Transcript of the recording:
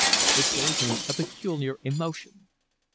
It gave him a peculiar emotion.